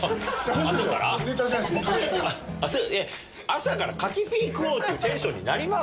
朝から柿ピー食おうっていうテンションになります？